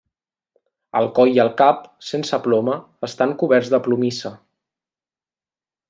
El coll i el cap, sense ploma, estan coberts de plomissa.